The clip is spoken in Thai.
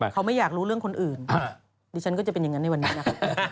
เขาไม่อยากรู้เรื่องคนอื่นดิฉันก็จะเป็นอย่างนั้นในวันนี้นะคะ